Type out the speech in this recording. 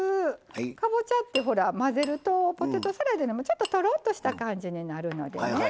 かぼちゃって混ぜるとポテトサラダよりもちょっととろっとした感じになるのでね。